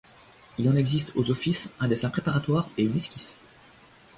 Il en existe aux Offices un dessin préparatoire et une esquisse.